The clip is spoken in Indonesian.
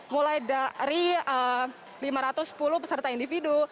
mulai dari lima ratus sepuluh peserta individu